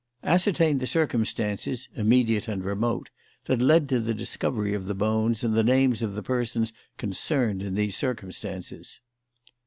Ascertain the circumstances (immediate and remote) that led to the discovery of the bones and the names of the persons concerned in those circumstances.